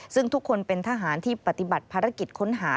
ซึ่งทุกคนเป็นทหารที่ปฏิบัติภารกิจค้นหา